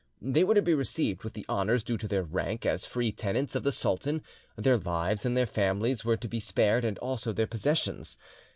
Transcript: They were to be received with the honours due to their rank as free tenants of the sultan, their lives and their families were to be spared, and also their possessions.